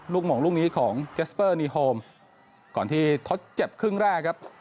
ลูกหมองลูกนี้ของเจซเปอร์โนอย์ฮอมก่อนที่ท็อสเจ็บครึ่งแรกครับ